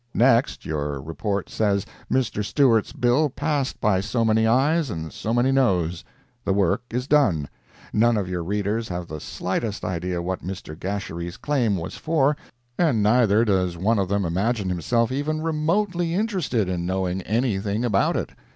Next, your report says Mr. Stewart's bill passed by so many ayes, and so many noes. The work is done; none of your readers have the slightest idea what Mr. Gasherie's claim was for, and neither does one of them imagine himself even remotely interested in knowing anything about it.